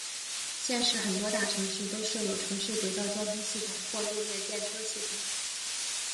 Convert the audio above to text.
现时很多大城市都设有城市轨道交通系统或路面电车系统。